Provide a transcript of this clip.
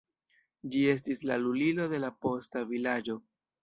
Ĝi estis la lulilo de la posta vilaĝo.